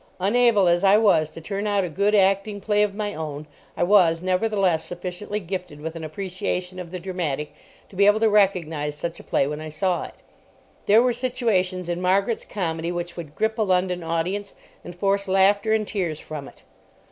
Unable as I was to turn out a good acting play of my own, I was, nevertheless, sufficiently gifted with an appreciation of the dramatic to be able to recognise such a play when I saw it. There were situations in Margaret's comedy which would grip a London audience, and force laughter and tears from it....